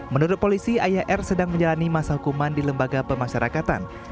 menurut polisi ayah r sedang menjalani masa hukuman di lembaga pemasyarakatan